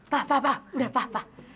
pak pak pak udah pak pak